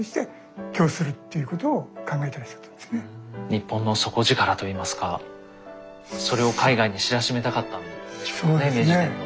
日本の底力といいますかそれを海外に知らしめたかったんでしょうね明治天皇は。